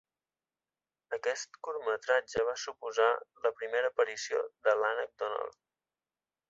Aquest curtmetratge va suposar la primera aparició de l'Ànec Donald.